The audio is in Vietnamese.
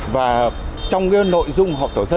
và trong cái nội dung họp tổ dân